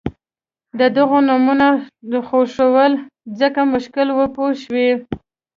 د دغو نومونو خوښول ځکه مشکل وو پوه شوې!.